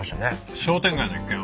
商店街の一件は？